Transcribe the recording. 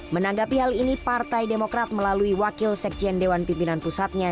menanggapi hal ini partai demokrat melalui wakil sekjen dewan pimpinan pusatnya